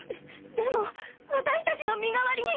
でも私たちの身代わりに。